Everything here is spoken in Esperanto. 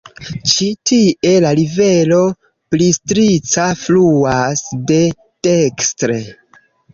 Ĉi tie la rivero Bistrica fluas de dekstre.